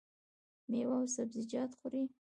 میوه او سبزیجات خورئ؟